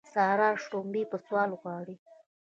سارا شړومبې په سوال غواړي.